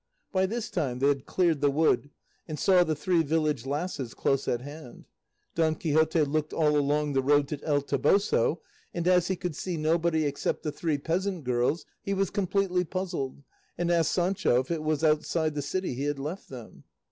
By this time they had cleared the wood, and saw the three village lasses close at hand. Don Quixote looked all along the road to El Toboso, and as he could see nobody except the three peasant girls, he was completely puzzled, and asked Sancho if it was outside the city he had left them.